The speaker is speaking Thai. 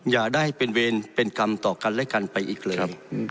อย่าได้เป็นเวรเป็นกรรมต่อกันและกันไปอีกเลย